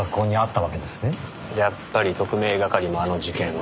やっぱり特命係もあの事件を。